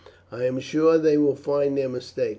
I am sure they will find their mistake.